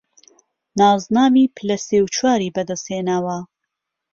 نازناوی پله سێ و چواری بهدهستهێناوه